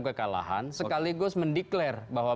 kekalahan sekaligus mendeklarasi bahwa